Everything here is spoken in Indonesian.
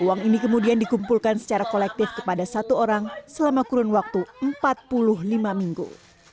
uang ini kemudian dikumpulkan secara kolektif kepada satu orang selama kurun waktu empat puluh lima minggu